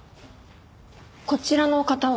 こちらの方は？